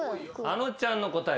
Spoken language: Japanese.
あのちゃんの答え